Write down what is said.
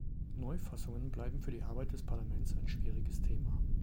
Neufassungen bleiben für die Arbeit des Parlaments ein schwieriges Thema.